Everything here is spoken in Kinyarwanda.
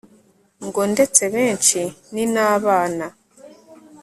Ngo ndetse benshi ni nabana